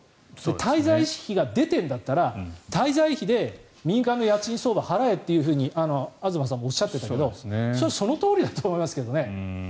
滞在費が出てるなら滞在費で民間の家賃相場を払えというふうに東さんもおっしゃってたけどそれはそのとおりだと思いますけどね。